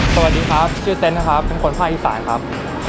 สวัสดีครับชื่อเต็นต์นะครับเป็นคนภาคอีสานครับ